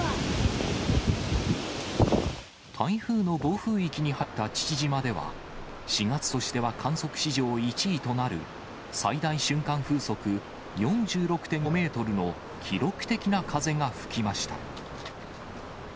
台風の暴風域に入った父島では、４月としては観測史上１位となる、最大瞬間風速４６．５メートルの記録的な風が吹きました。